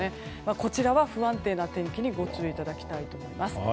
こちらは不安定な天気にご注意いただきたいと思います。